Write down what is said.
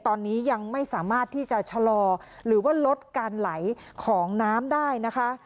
ตอนนี้ยังไม่สามารถที่จะชะลอหรือว่าลดการไหลของน้ำได้นะคะ